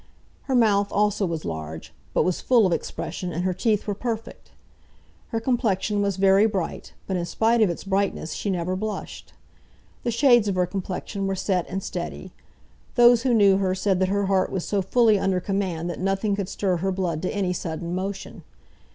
Her mouth also was large, but was full of expression, and her teeth were perfect. Her complexion was very bright, but in spite of its brightness she never blushed. The shades of her complexion were set and steady. Those who knew her said that her heart was so fully under command that nothing could stir her blood to any sudden motion.